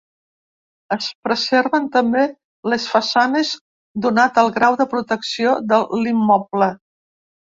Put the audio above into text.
Es preserven també les façanes donat el grau de protecció de l’immoble.